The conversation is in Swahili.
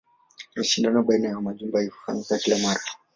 Mashindano baina ya majumba hufanyika kila mara.